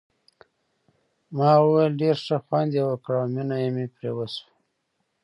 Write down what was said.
ما وویل ډېر ښه خوند یې وکړ او مینه مې پرې وشوه.